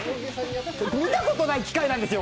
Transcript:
見たことない機械なんですよ